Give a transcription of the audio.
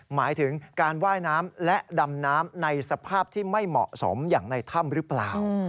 หมายถึงการว่ายน้ำและดำน้ำในสภาพที่ไม่เหมาะสมอย่างในถ้ำหรือเปล่า